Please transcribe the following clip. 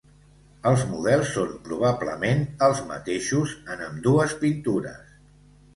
Els models són, probablement, els mateixos en ambdues pintures.